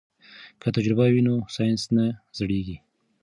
که تجربه وي نو ساینس نه زړیږي.